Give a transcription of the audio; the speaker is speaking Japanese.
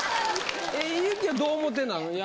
ゆきはどう思ってんの？